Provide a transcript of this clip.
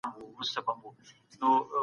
چېري بې ځایه سوي خلګ مرستي ترلاسه کولای سي؟